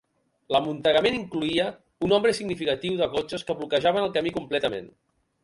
L'amuntegament incloïa un nombre significatiu de cotxes que bloquejaven el camí completament.